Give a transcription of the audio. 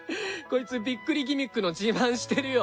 こいつびっくりギミックの自慢してるよ。